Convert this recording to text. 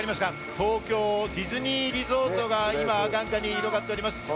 東京ディズニーリゾートが今、眼下に広がっております。